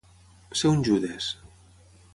Ser un Judes.